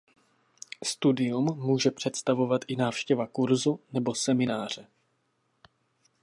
Studium může představovat i návštěva kurzu nebo semináře.